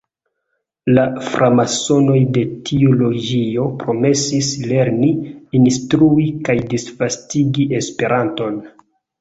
La framasonoj de tiu loĝio promesis lerni, instrui kaj disvastigi Esperanton.